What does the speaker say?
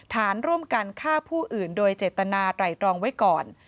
ฐานร่วมกันฆ่าผู้อื่นโดยเจตนาไหล่ตรองไว้ก่อน